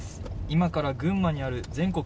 今から群馬にある全国